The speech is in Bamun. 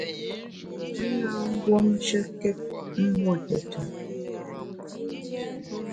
Me na mbuomshekét mbuo tùtù.